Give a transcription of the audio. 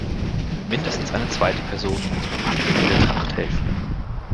Mindestens eine zweite Person muss beim Anlegen der Tracht helfen.